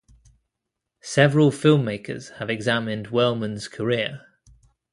Several filmmakers have examined Wellman's career.